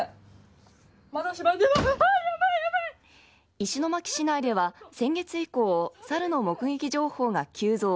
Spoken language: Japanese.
石巻市内では先月以降猿の目撃情報が急増。